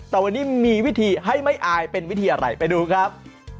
แต่วันนี้มีวิธีให้ไม่อายเป็นวิธีอะไรไปดูครับ